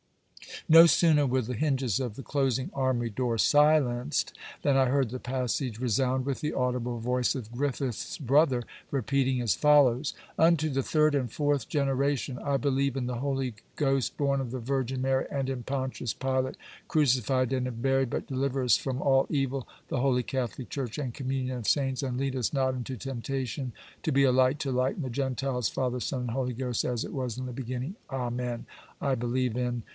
No sooner were the hinges of the closing armoury door silenced, than I heard the passage resound with the audible voice of Griffiths' brother, repeating as follows: 'Unto the third and fourth generation I believe in the Holy Ghost born of the virgin Mary, and in Pontius Pilate, crucified dead and buried But deliver us from all evil, the holy catholic church and communion of saints, and lead us not into temptation, to be a light to lighten the Gentiles, Father, Son, and Holy Ghost, as it was in the beginning Amen. I Believe in